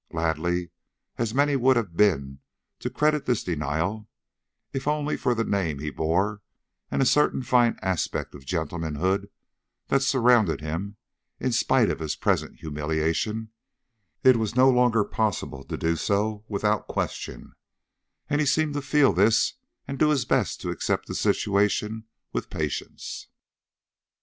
Gladly as many would have been to credit this denial, if only for the name he bore and a certain fine aspect of gentlemanhood that surrounded him in spite of his present humiliation, it was no longer possible to do so without question, and he seemed to feel this and do his best to accept the situation with patience.